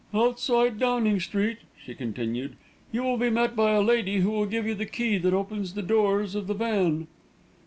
"Outside Downing Street," she continued, "you will be met by a lady who will give you the key that opens the doors of the van."